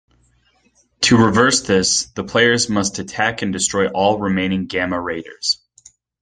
To reverse this, the players must attack and destroy all remaining Gamma Raiders.